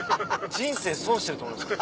人生損してると思いました。